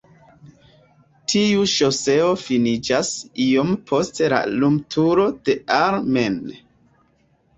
Tiu ŝoseo finiĝas iom post la lumturo de Ar-Men.